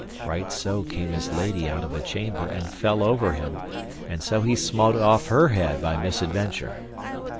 Right so came his lady out of a chamber and fell over him, and so he smote off her head by misadventure.